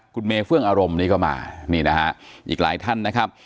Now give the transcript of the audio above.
คุณเมเฟื่องอารมณ์นี่ก็มานี่นะฮะอีกหลายท่านนะครับ